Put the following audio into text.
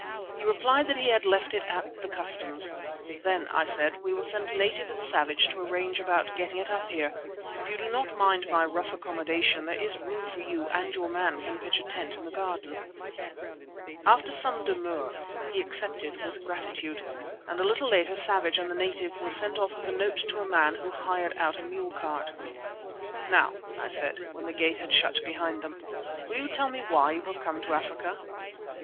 He replied that he had left it at the Customs. "Then," I said, "I will send a native with Savage to arrange about getting it up here. If you do not mind my rough accommodation there is a room for you, and your man can pitch a tent in the garden." After some demur he accepted with gratitude, and a little later Savage and the native were sent off with a note to a man who hired out a mule cart. "Now," I said when the gate had shut behind them, "will you tell me why you have come to Africa?"